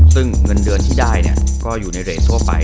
ซึ่งเงินเดือนที่ได้ก็อยู่ในเรททั่วไป